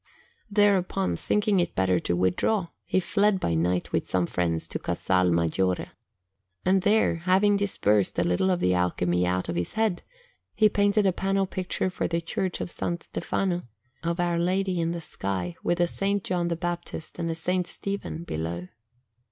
Thereupon, thinking it better to withdraw, he fled by night with some friends to Casal Maggiore. And there, having dispersed a little of the alchemy out of his head, he painted a panel picture for the Church of S. Stefano, of Our Lady in the sky, with S. John the Baptist and S. Stephen below.